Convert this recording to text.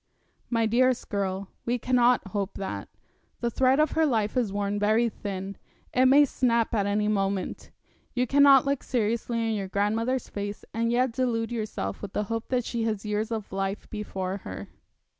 My dearest girl, we cannot hope that. The thread of her life is worn very thin. It may snap at any moment. You cannot look seriously in your grandmother's face, and yet delude yourself with the hope that she has years of life before her.'